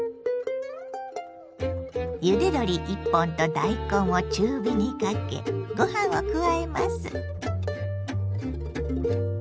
ゆで鶏１本と大根を中火にかけご飯を加えます。